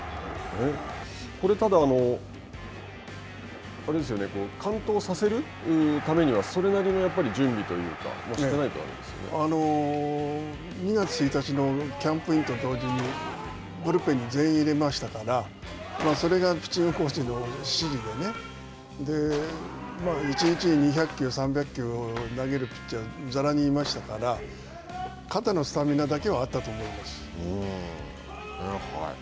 これ、ただ、あれですよね、完投させるためにはそれなりの準備というか、２月１日のキャンプインと同時にブルペンに全員入れましたから、それがピッチングコーチの指示でね、１日に２００球、３００球を投げるピッチャー、ざらにいましたから肩のスタミナだけはあったと思います。